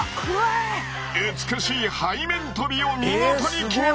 美しい背面飛びを見事に決めました！